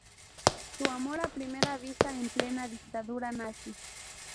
Su amor a primera vista en plena dictadura nazi.